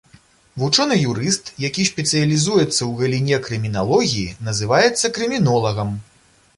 Вучоны-юрыст, які спецыялізуецца ў галіне крыміналогіі, называецца крымінолагам.